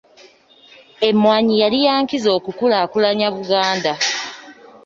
Emmwanyi yali ya nkizo okukulaakulanya Buganda.